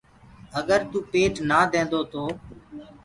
اگر توُ پيٽ نآ دينٚدو تو